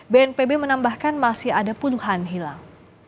bnpb menambahkan masih ada puluhan hilang